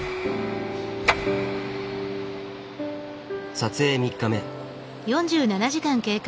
撮影３日目。